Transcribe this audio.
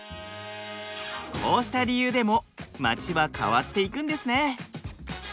こうした理由でも街は変わっていくんですね。